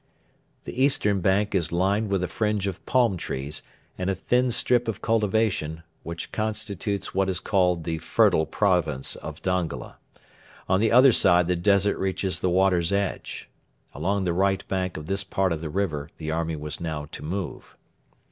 The Eastern bank is lined with a fringe of palm trees and a thin strip of cultivation, which constitutes what is called 'the fertile province of Dongola.' On the other side the desert reaches the water's edge. Along the right bank of this part of the river the army was now to move.